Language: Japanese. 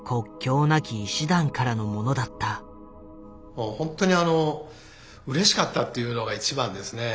もう本当にあのうれしかったっていうのが一番ですね。